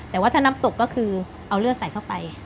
แต่ว่าถ้าน้ำตกก็คือเอาเลือดใส่เข้าไป